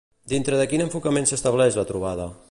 Dintre de quin enfocament s'estableix la trobada?